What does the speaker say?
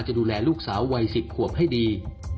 จะดูแลลูกสาววัย๑๐ขวบให้ดี